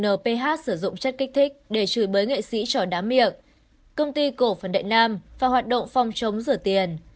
nph sử dụng chất kích thích để trừ bới nghệ sĩ trò đá miệng công ty cổ phần đại nam và hoạt động phong chống rửa tiền